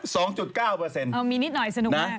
สนุกมาก